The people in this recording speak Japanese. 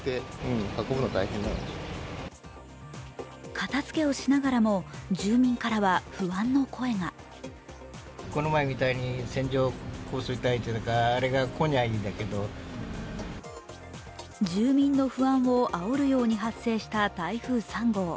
片づけをしながらも住民からは不安の声が住民の不安をあおるように発生した台風３号。